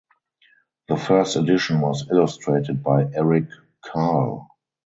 The first edition was illustrated by Eric Carle.